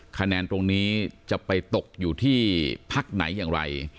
คะแนนตรงนี้จะไปตกอยู่ที่พักไหนอย่างไร